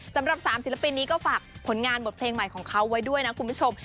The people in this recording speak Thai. สำหรับ๓ศิลปินนี้ก็ฝากผลงานบทเพลงใหม่ของเขาไว้ด้วยนะคุณผู้ชม